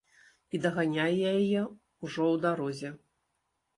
І даганяе яе ўжо ў дарозе.